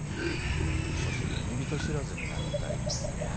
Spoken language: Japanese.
そして詠み人知らずになりたいというね。